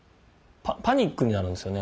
パニックになるんですよね